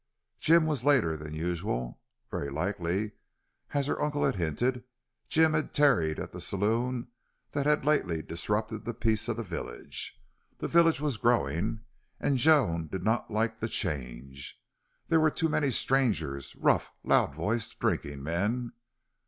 Jim was later than usual. Very likely, as her uncle had hinted, Jim had tarried at the saloon that had lately disrupted the peace of the village. The village was growing, and Joan did not like the change. There were too many strangers, rough, loud voiced, drinking men.